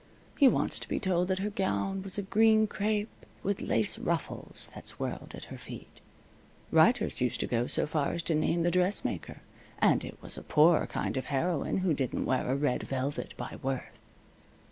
He wants to be told that her gown was of green crepe, with lace ruffles that swirled at her feet. Writers used to go so far as to name the dressmaker; and it was a poor kind of a heroine who didn't wear a red velvet by Worth.